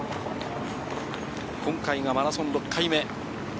今回がマラソン６回目。